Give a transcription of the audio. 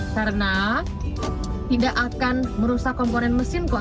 karena tidak akan merusak komponen mesin kok